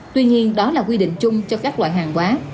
tuy nhiên đó là quy định chung cho các loại hàng hóa